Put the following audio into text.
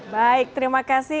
baik terima kasih